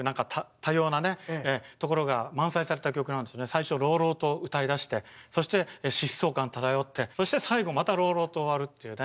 最初朗々と歌いだしてそして疾走感漂ってそして最後また朗々と終わるっていうね